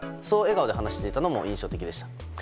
そう笑顔で話していたのも印象的でした。